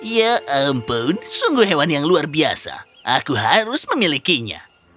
ya ampun sungguh hewan yang luar biasa aku harus memilikinya